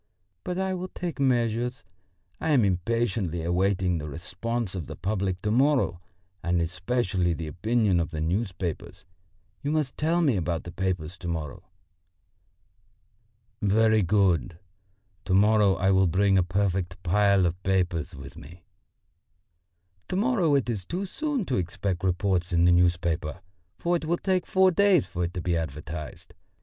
But I will take measures. I am impatiently awaiting the response of the public to morrow, and especially the opinion of the newspapers. You must tell me about the papers to morrow." "Very good; to morrow I will bring a perfect pile of papers with me." "To morrow it is too soon to expect reports in the newspapers, for it will take four days for it to be advertised.